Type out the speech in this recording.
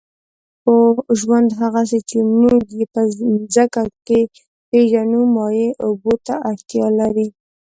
ژوند، هغسې چې موږ یې په مځکه کې پېژنو، مایع اوبو ته اړتیا لري.